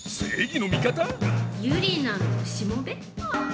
ユリナのしもべ？